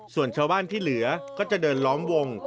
ส่วนชาวบ้านที่เหลือก็จะเดินล้อมวง